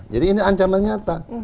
jadi ini ancaman nyata